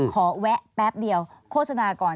แวะแป๊บเดียวโฆษณาก่อน